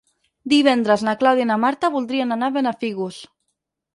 Divendres na Clàudia i na Marta voldrien anar a Benafigos.